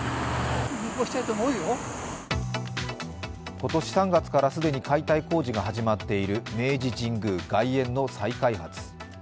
今年３月から既に解体工事が始まっている明治神宮外苑の再開発。